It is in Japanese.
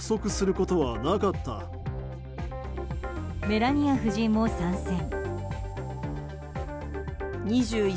メラニア夫人も参戦。